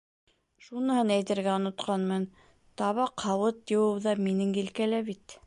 Шуныһын әйтергә онотҡанмын, табаҡ-һауыт йыуыу ҙа минең елкәлә бит.